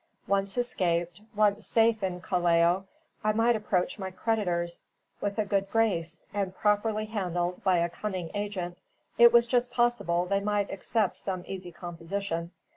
Once escaped, once safe in Callao, I might approach my creditors with a good grace; and properly handled by a cunning agent, it was just possible they might accept some easy composition.